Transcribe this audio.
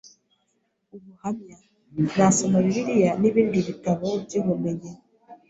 ubuhamya, nasoma Bibiliya n’ibindi bitabo by’ubumenyi